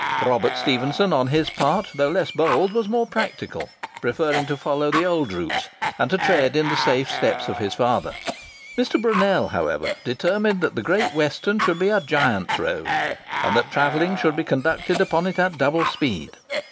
Robert Stephenson, on his part, though less bold, was more practical, preferring to follow the old routes, and to tread in the safe steps of his father. Mr. Brunel, however, determined that the Great Western should be a giant's road, and that travelling should be conducted upon it at double speed.